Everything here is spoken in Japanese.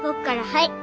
はい。